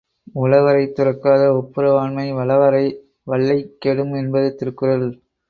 உளவரை துரக்காத ஒப்புர வாண்மை வளவரை வல்லைக் கெடும் என்பது திருக்குறள்.